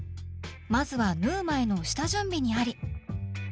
まずは縫う前の下準備にあり！